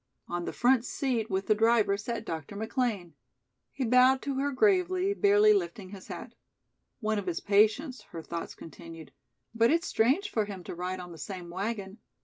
On the front seat with the driver sat Dr. McLean. He bowed to her gravely, barely lifting his hat. "One of his patients," her thoughts continued, "but it's strange for him to ride on the same wagon.